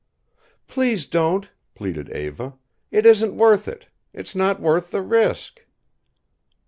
"Please don't," pleaded Eva. "It isn't worth it. It's not worth the risk."